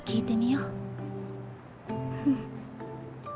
うん。